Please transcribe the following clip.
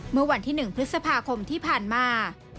เมื่อวันที่๑พฤษภาคมที่ผ่านมา